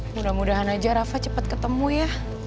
mudah mudahan aja rafa cepat ketemu ya